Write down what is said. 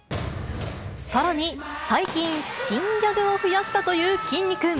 さらに最近、新ギャグを増やしたというきんに君。